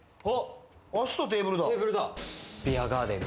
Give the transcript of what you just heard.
脚とテーブルだ。